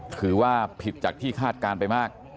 ถือว่าผิดจากที่คาดการณ์ไปมาก